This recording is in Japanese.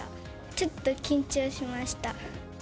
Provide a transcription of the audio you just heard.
ちょっと緊張しました。